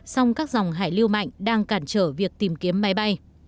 song các dòng hải lưu mạnh đang cản trở việc tìm kiếm máy bay